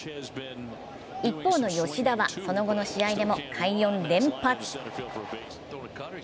一方の吉田は、その後の試合でも快音連発。